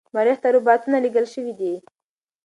مریخ ته روباتونه لیږل شوي دي.